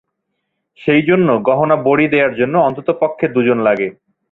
সেই জন্য গহনা বড়ি দেওয়ার জন্য অন্ততপক্ষে দু'জন লাগে।